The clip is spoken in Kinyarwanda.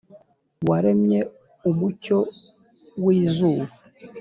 Waremye umucyo wizuba .